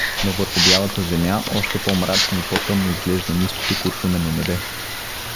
Но върху бялата земя още по-мрачно и по-тъмно изглежда ниското куршумено небе.